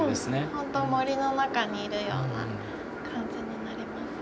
本当森の中にいるような感じになりますね。